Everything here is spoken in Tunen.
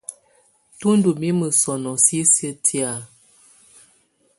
Tù ndù mimǝ sɔnɔ̀ sisiǝ́ tɛ̀á.